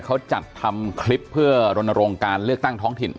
เขาจัดทำคลิปเพื่อรณรงค์การเลือกตั้งท้องถิ่น